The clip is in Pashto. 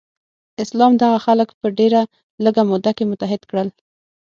اسلام دغه خلک په ډیره لږه موده کې متحد کړل.